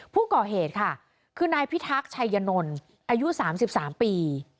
ผู้ก่อเหตุค่ะคือนายพิทักษ์ชัยยนลอายุสามสิบสามปี